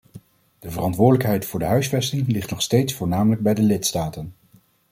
De verantwoordelijkheid voor de huisvesting ligt nog steeds voornamelijk bij de lidstaten.